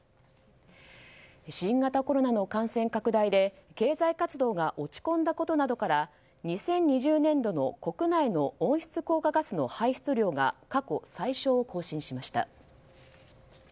新型コロナの感染拡大で経済活動が落ち込んだことなどから２０２０年度の国内の温室効果ガスの排出量が過去最少を更新しました。